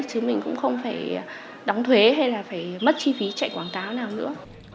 chứ mình cũng không phải đóng thuế hay là phải mất chi phí chạy quảng cáo nào nữa